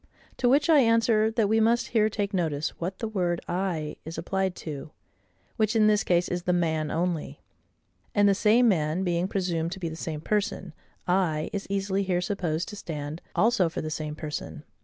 To which I answer, that we must here take notice what the word I is applied to; which, in this case, is the MAN only. And the same man being presumed to be the same person, I is easily here supposed to stand also for the same person.